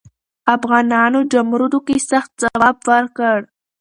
افغانانو جمرود کې سخت ځواب ورکړ.